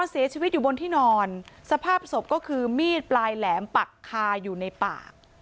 สภาพศพก็คือมีดปลายแหลมปักคาอยู่ในปาก